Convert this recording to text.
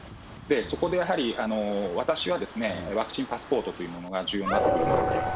そこでやはり私は、ワクチンパスポートというものが重要になってくるんじゃないかと。